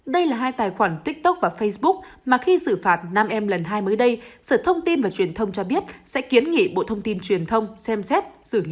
đây là hai tài khoản tiktok và facebook mà khi xử phạt nam em lần hai mới đây sở thông tin và truyền thông cho biết sẽ kiến nghị bộ thông tin truyền thông xem xét xử